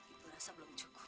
ibu rasa belum cukup